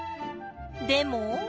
でも。